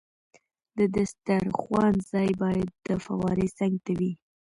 د دسترخوان ځای باید د فوارې څنګ ته وي.